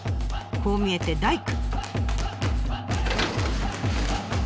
こう見えて大工。